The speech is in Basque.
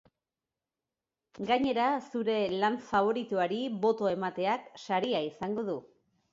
Gainera, zure lan faboritoari botoa emateak saria izango du.